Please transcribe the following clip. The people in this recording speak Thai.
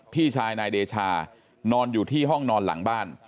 พี่ชายนายเดชานอนอยู่ที่ห้องนอนหลังบ้าน